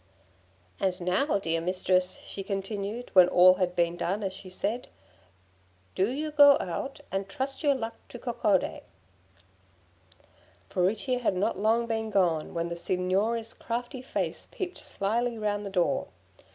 'And now, dear mistress,' she continued, when all had been done as she said, 'do you go out and trust your luck to Coccodé.' Furicchia had not long been gone, when the Signora's crafty face peeped slyly round the door.